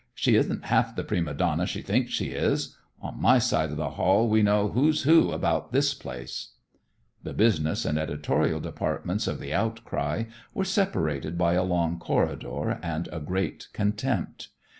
She isn't half the prima donna she thinks she is. On my side of the hall we know who's who about this place." The business and editorial departments of "The Outcry" were separated by a long corridor and a great contempt.